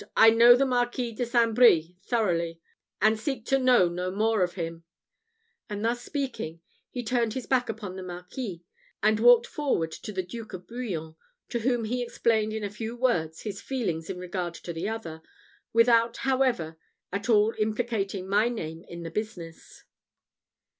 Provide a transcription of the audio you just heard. I know the Marquis de St. Brie thoroughly, and seek to know no more of him;" and thus speaking, he turned his back upon the Marquis, and walked forward to the Duke of Bouillon, to whom he explained in a few words his feelings in regard to the other, without, however, at all implicating my name in the business.